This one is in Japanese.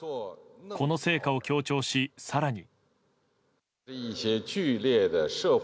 この成果を強調し、更に。